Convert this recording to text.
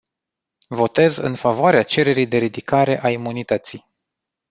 Votez în favoarea cererii de ridicare a imunității.